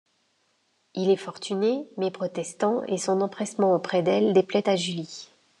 Il est fortuné, mais protestant, et son empressement auprès d'elle déplaît à Julie.